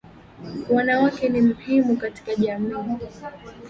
Wanawake ni mhimu katika jamii.